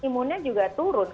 imunnya juga turun kan